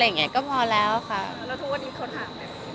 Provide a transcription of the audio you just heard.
แล้วทุกวันที่เขาถามมีอะไรที่มันทำ